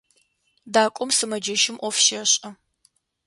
Дакӏом сымэджэщым ӏоф щешӏэ.